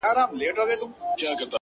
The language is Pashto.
o شراب لس خُمه راکړه؛ غم په سېلاب راکه؛